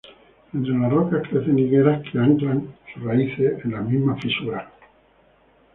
Entre las rocas crecen higueras que anclan sus raíces en las mismas fisuras.